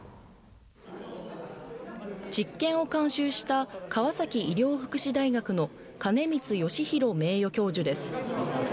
実験を監修した川崎医療福祉大学の金光義弘名誉教授です。